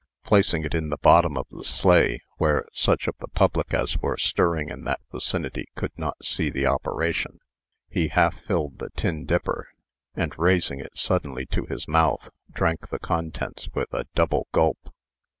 Placing it in the bottom of the sleigh, where such of the public as were stirring in that vicinity could not see the operation, he half filled the tin dipper, and, raising it suddenly to his mouth, drank the contents with a double gulp.